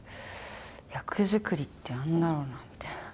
役作りってなんだろうなみたいな。